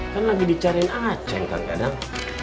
kan lagi dicariin aceng kang dadang